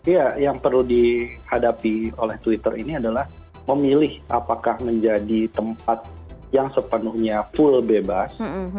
ya yang perlu dihadapi oleh twitter ini adalah memilih apakah menjadi tempat yang sepenuhnya full bebas